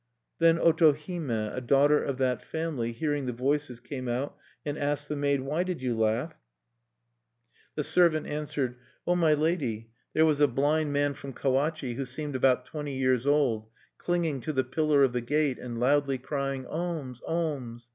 Then Otohime, a daughter of that family, hearing the voices, came out, and asked the maid: "Why did you laugh?" The servant answered: "Oh, my lady, there was a blind man from Kawachi, who seemed about twenty years old, clinging to the pillar of the gate, and loudly crying, 'Alms! alms.'